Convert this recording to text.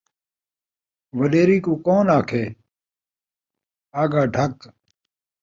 وݙیری کوں کون آکھے آڳا ڈھک